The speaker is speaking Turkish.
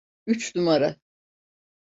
Üç numara.